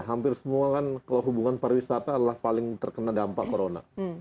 hampir semua kan kalau hubungan pariwisata adalah paling terkena dampak corona